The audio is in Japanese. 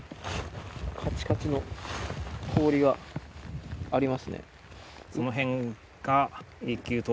カチカチの氷がありますね。